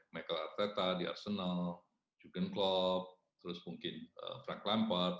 meckel atleta di arsenal jugend klopp terus mungkin frank lampard